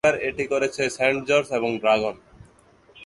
এবার এটি করেছে সেন্ট জর্জ এবং ড্রাগন।